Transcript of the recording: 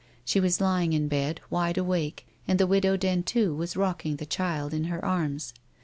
She was lying in bed, wide awake, and the Widow Dentu was rocking the child in her arms.